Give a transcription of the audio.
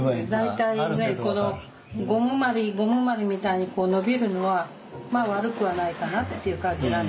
大体ねこのゴムまりみたいにこう伸びるのはまあ悪くはないかなっていう感じなんだけどね。